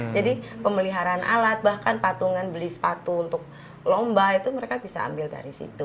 jadi pemeliharaan alat bahkan patungan beli sepatu untuk lomba itu mereka bisa ambil dari situ